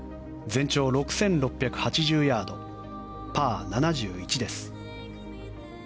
全長６６８０ヤードパー７１です。